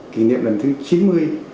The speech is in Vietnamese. kỷ niệm lần thứ chín mươi